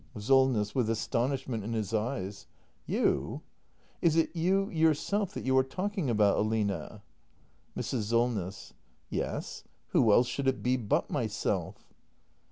Solness. [With astonishment in his eyes.] You! Is it you — yourself, that you are talking about, Aline ? Mrs. Solness. Yes, who else should it be but myself?